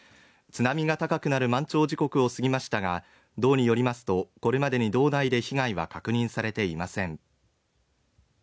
津波が高くなる満潮時刻を過ぎましたが、道によりますと、これまでに道内で被害は確認されていません。